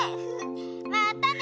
またね